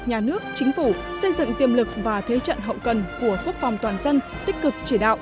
nhà nước chính phủ xây dựng tiềm lực và thế trận hậu cần của quốc phòng toàn dân tích cực chỉ đạo